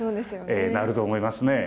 ええなると思いますね。